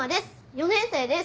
４年生です。